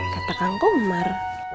kata kang komar